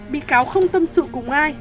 bị cáo không tâm sự cùng ai